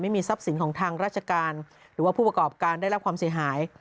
ไม่มีทรัพย์สินของทางราชการหรือว่าผู้ประกอบการได้รับความเสียหาย